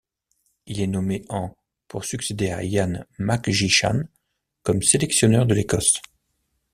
Il est nommé en pour succéder à Ian McGeechan comme sélectionneur de l'Écosse.